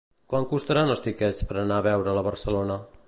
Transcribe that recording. Quant costaran els tiquets per anar a veure'l a Barcelona?